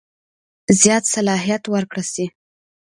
زیات صلاحیت ورکړه شي.